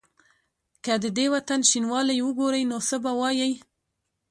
که د دې وطن شینوالی وګوري نو څه به وايي؟